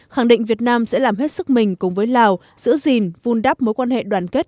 khẳng định việt nam sẽ làm hết sức mình cùng với lào giữ gìn vun đắp mối quan hệ đoàn kết